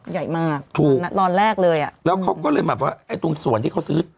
ใหญ่มากตอนแรกเลยอ่ะแล้วเขาก็เลยมาเพราะว่าไอ้ตรงส่วนที่เขาซื้อ